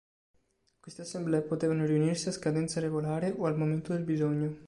Queste assemblee potevano riunirsi a scadenza regolare o al momento del bisogno.